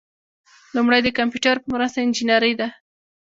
لومړی د کمپیوټر په مرسته انجنیری ده.